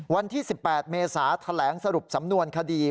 วันที่๑๘เมษาแถลงสรุปสำนวนคดี